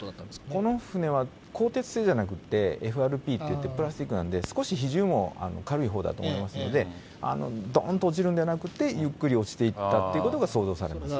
この船は鋼鉄製じゃなくて、ＦＲＰといって、プラスチックなんで、少し比重も軽いほうだと思いますので、どーんとおちるのではなくて、ゆっくり落ちていったということが想像されます。